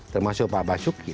termasuk pak basuki